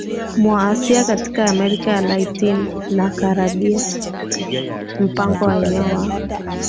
mwa Asia Katika Amerika ya Latini na Karabia mpango wa eneo wa